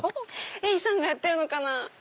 エイさんがやってるのかな？